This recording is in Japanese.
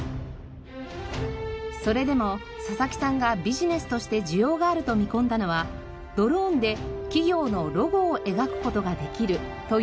それでも佐々木さんがビジネスとして需要があると見込んだのはドローンで企業のロゴを描く事ができるという点です。